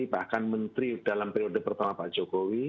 bahkan menteri dalam periode pertama pak jokowi